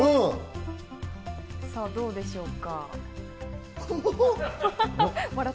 さぁ、どうでしょうか？